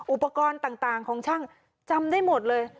อุปกรณ์ต่างของช่างจำได้หมดเลย